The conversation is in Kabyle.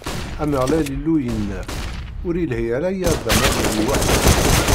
Ameɣlal Illu yenna: Ur ilhi ara i Adam ad yili weḥd-s.